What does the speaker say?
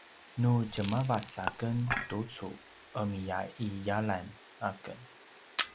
nu djemavac aken tucu ’emiya’iyalan aken